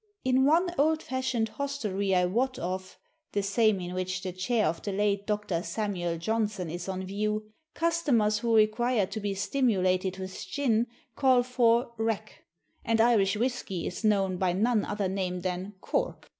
In one old fashioned hostelry I wot of the same in which the chair of the late Doctor Samuel Johnson is on view customers who require to be stimulated with gin call for "rack," and Irish whisky is known by none other name than "Cork."